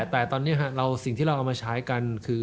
แต่ตอนนี้สิ่งที่เราเอามาใช้กันคือ